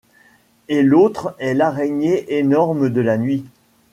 Et l’autre est l’araignée énorme de la nuit.